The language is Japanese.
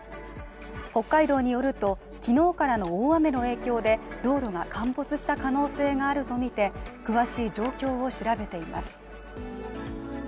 北海道によると、昨日からの大雨の影響で道路が陥没した可能性があるとみて、詳しい状況を調べています。